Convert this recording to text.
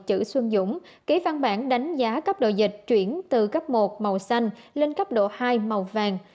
chữ xuân dũng ký văn bản đánh giá cấp độ dịch chuyển từ cấp một màu xanh lên cấp độ hai màu vàng